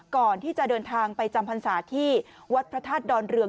ก่อนที่จะเดินทางไปจำพรรษาที่วัดพระธาตุดอนเรือง